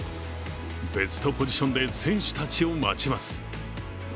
ベストポジションで選手たちを待ちます。